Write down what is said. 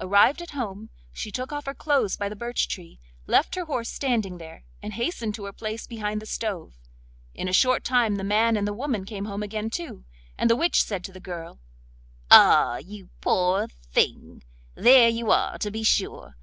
Arrived at home, she took off her clothes by the birch tree, left her horse standing there, and hastened to her place behind the stove. In a short time the man and the woman came home again too, and the witch said to the girl: 'Ah! you poor thing, there you are to be sure!